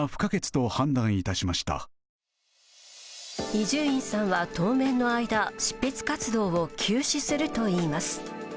伊集院さんは当面の間執筆活動を休止するといいます。